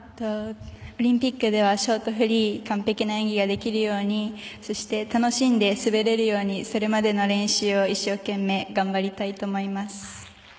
オリンピックではショート、フリー完璧な演技ができるようにそして、楽しんで滑れるようにそれまでの練習を一生懸命頑張りたいと思います。